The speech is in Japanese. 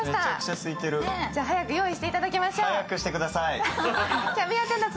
早く用意していただきましょう。